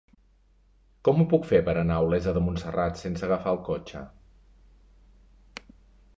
Com ho puc fer per anar a Olesa de Montserrat sense agafar el cotxe?